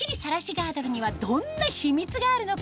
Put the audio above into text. ガードルにはどんな秘密があるのか？